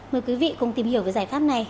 mời quý vị cùng tìm hiểu về giải pháp này